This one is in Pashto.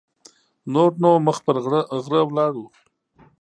نور نو مخ پر غره لاړو.